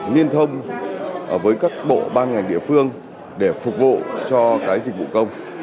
liên thông với các bộ ban ngành địa phương để phục vụ cho cái dịch vụ công